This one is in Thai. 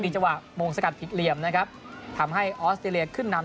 จังหวะมงสกัดผิดเหลี่ยมนะครับทำให้ออสเตรเลียขึ้นนำ